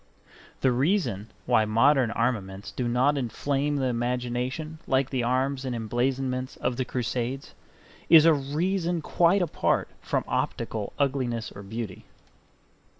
The reason why modern armaments do not inflame the imagination like the arms and emblazonments of the Crusades is a reason quite apart from optical ugliness or beauty.